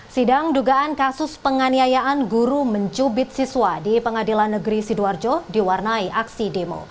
sidang dugaan kasus penganiayaan guru mencubit siswa di pengadilan negeri sidoarjo diwarnai aksi demo